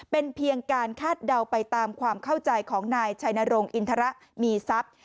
เป็นเพียงการคาดเดาไปตามความเข้าใจของนายชัยนรงคอินทรมีทรัพย์